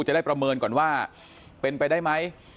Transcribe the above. จะได้ประเมินก่อนว่าเป็นไปได้ไหม